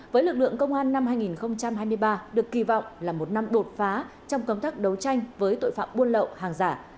với lực lượng công an năm hai nghìn hai mươi ba được kỳ vọng là một năm đột phá trong công tác đấu tranh với tội phạm buôn lậu hàng giả